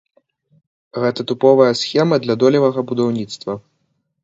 Гэта тыповая схема для долевага будаўніцтва.